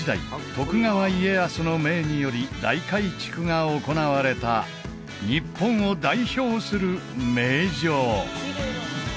徳川家康の命により大改築が行われた日本を代表する名城